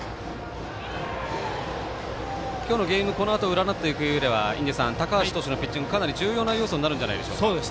このゲームを占っていくうえで高橋投手のピッチングはかなり重要な要素になるんじゃないでしょうか。